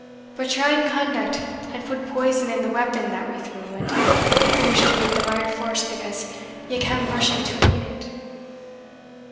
But your ain conduct had put poison in the weapon that we threw, and it pierced you with the mair force because ye cam rushing to meet it.